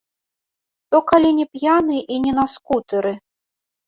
Што калі не п'яны і не на скутэры?